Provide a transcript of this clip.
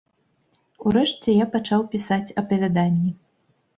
Урэшце я пачаў пісаць апавяданні.